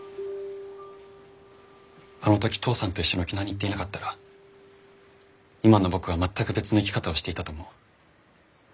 あの時父さんと一緒に沖縄に行っていなかったら今の僕は全く別の生き方をしていたと思う。